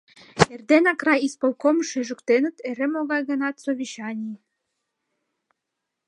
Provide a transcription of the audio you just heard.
— Эрденак райисполкомыш ӱжыктеныт, эре могай-гынат совещаний...